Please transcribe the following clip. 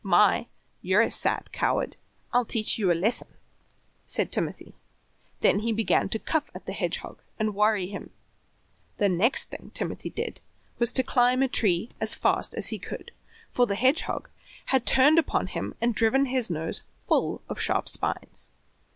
"My, you're a sad coward. I'll teach you a lesson," said Timothy; then he began to cuff at the hedgehog and worry him. The next thing Timothy did was to climb a tree as fast as he could, for the hedgehog had turned upon him and driven his nose full of sharp spines.